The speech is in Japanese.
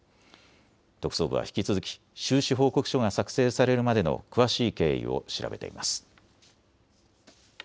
特捜部は引き続き収支報告書が作成されるまでの詳しい経緯を調べています。